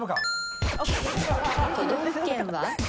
都道府県は？